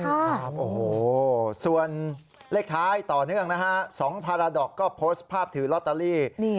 โอ้โหส่วนเลขท้ายต่อเนื่องนะฮะ๒พาราดอกก็โพสต์ภาพถือลอตเตอรี่